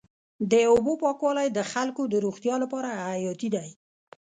د اوبو پاکوالی د خلکو د روغتیا لپاره حیاتي دی.